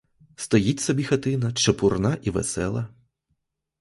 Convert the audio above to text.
Стоїть собі хатина, чепурна і весела.